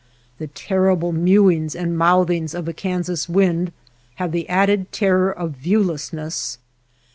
The terrible mewings and mouthings of a Kansas wind have the added terror of viewlessness.